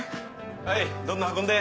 はいどんどん運んで。